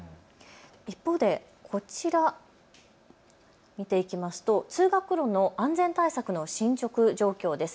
一方でこちら、見ていきますと、通学路の安全対策の進捗状況です。